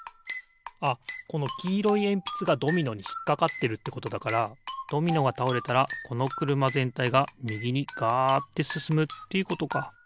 あっこのきいろいえんぴつがドミノにひっかかってるってことだからドミノがたおれたらこのくるまぜんたいがみぎにガッてすすむということか。